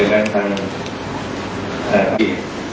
อย่างเช่นนั้นมันอาทิตย์